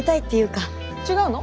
違うの？